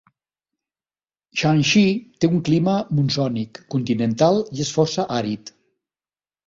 Shanxi té un clima monsònic continental i és força àrid.